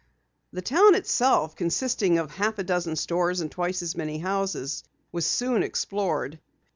The town itself, consisting of half a dozen stores and twice as many houses, was soon explored.